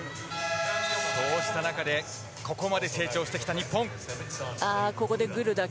そうした中でここまで成長してきた日本。